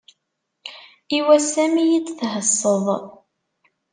I wass-a mi yi-d-thesseḍ.